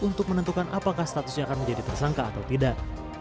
untuk menentukan apakah statusnya akan menjadi tersangka atau tidak